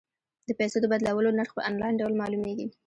د پيسو د بدلولو نرخ په انلاین ډول معلومیږي.